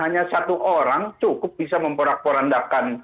hanya satu orang cukup bisa memperandakan